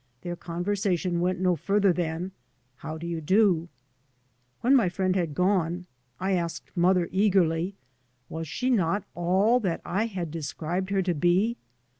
Their con versation went no further than " How do you do ?" When my friend had gone I asked mother, eagerly, was she not all that I had described her to be